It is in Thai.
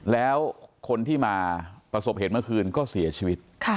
แล้วคนที่มาประสบเหตุเมื่อคืนก็เสียชีวิต